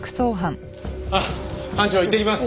あっ班長いってきます。